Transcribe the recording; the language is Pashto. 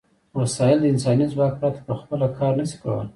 وسایل د انساني ځواک پرته په خپله کار نشي کولای.